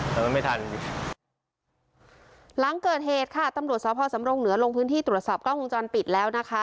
แต่ว่าไม่ทันหลังเกิดเหตุค่ะตำรวจสพสำรงเหนือลงพื้นที่ตรวจสอบกล้องวงจรปิดแล้วนะคะ